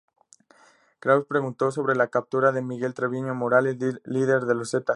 Krauze preguntó sobre la captura de Miguel Treviño Morales, líder de los Zetas.